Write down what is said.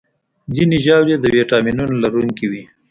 ځینې ژاولې د ویټامینونو لرونکي دي.